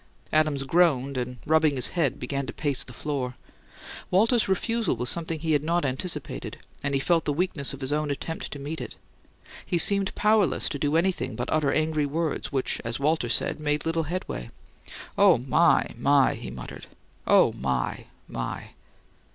Adams groaned, and, rubbing his head, began to pace the floor. Walter's refusal was something he had not anticipated; and he felt the weakness of his own attempt to meet it: he seemed powerless to do anything but utter angry words, which, as Walter said, made little headway. "Oh, my, my!" he muttered, "OH, my, my!"